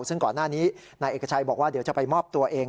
ซึ่งก่อนหน้านี้นายเอกชัยบอกว่าเดี๋ยวจะไปมอบตัวเอง